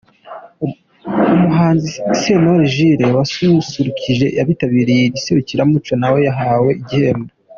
Umuhanzi Sentore Jules wasusurukije abitabiriye iri serukiramuco nawe yahawe igihembo.